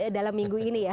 dalam minggu ini ya